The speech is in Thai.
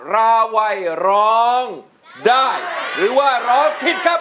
ราวัยร้องได้หรือว่าร้องผิดครับ